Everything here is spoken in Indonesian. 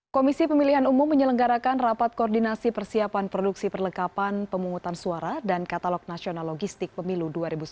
komisi pemilihan umum menyelenggarakan rapat koordinasi persiapan produksi perlengkapan pemungutan suara dan katalog nasional logistik pemilu dua ribu sembilan belas